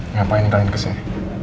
ngapain kalian kesini